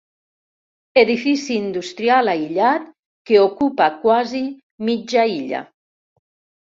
Edifici industrial aïllat que ocupa quasi mitja illa.